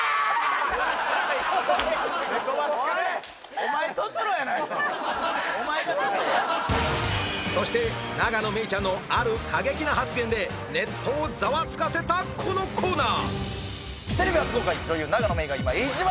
お前トトロやないかお前がトトロやそして永野芽郁ちゃんのある過激な発言でネットをざわつかせたこのコーナー